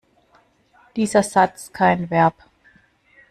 Dieser Satz kein Verb.